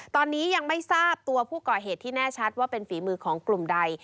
ตอนนี้ยังไม่ทราบตัวผู้ก่อเหตุที่แน่ชัดว่าเป็นฝีมือของกลุ่มใด